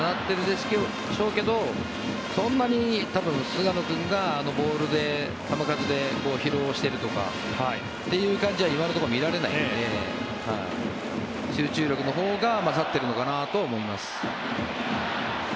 そんなに菅野君がボールで、球数で疲労してるとかって感じは今のところ見られないので集中力のほうが勝ってるのかなと思います。